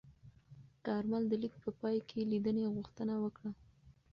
کارمل د لیک په پای کې لیدنې غوښتنه وکړه.